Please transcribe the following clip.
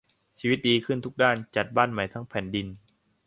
ชีวิตดีขึ้นทุกด้านจัดบ้านใหม่ทั้งแผ่นดิน